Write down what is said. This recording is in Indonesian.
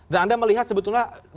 dan anda melihat sebetulnya